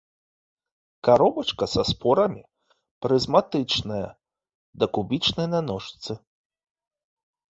Каробачка са спорамі прызматычная да кубічнай на ножцы.